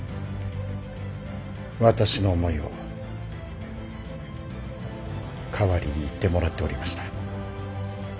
私の思いを代わりに言ってもらっておりました。